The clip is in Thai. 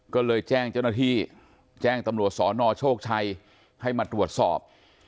ก็เลยแจ้งเจ้าหน้าที่แจ้งตำรวจสนโชคชัยให้มาตรวจสอบ